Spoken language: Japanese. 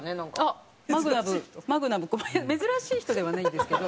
マグナムマグナム小林珍しい人ではないんですけど。